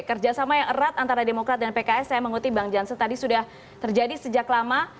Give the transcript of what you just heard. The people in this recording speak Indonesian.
kerjasama yang erat antara demokrat dan pks saya mengutip bang jansen tadi sudah terjadi sejak lama